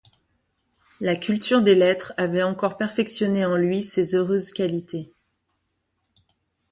La culture des lettres avait encore perfectionné en lui ces heureuses qualités.